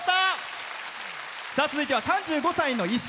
続いては、３５歳の医師。